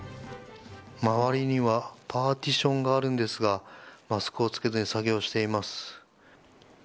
周りにはパーティションがあるんですがマスクを着けずに作業をしています。